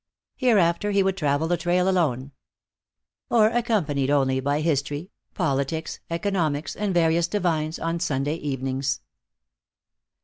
Hereafter he would travel the trail alone. Or accompanied only by History, Politics, Economics, and various divines on Sunday evenings.